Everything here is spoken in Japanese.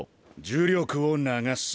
「呪力を流す」。